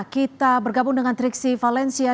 kita bergabung dengan triksi valencia